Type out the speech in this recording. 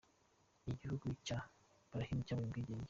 Igihugu cya Bahrain cyabonye ubwigenge.